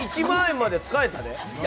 １万まで使えたで。